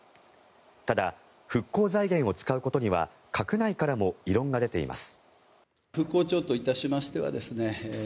ただ、復興財源を使うことには閣内からも異論が出ています。